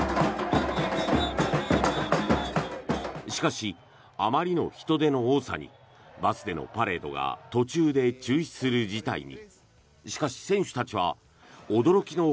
しかし、あまりの人出の多さにバスでのパレードが途中で中止する事態に。